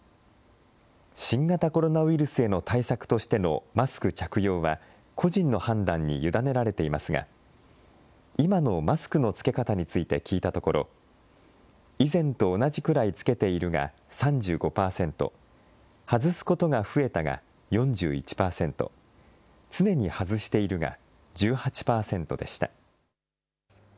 新型コロナウイルスへの対策としてのマスク着用は個人の判断に委ねられていますが今のマスクの着け方について聞いたところ以前と同じくらい着けているが３５％、外すことが増えたが４１％、常に外しているが１８％でした。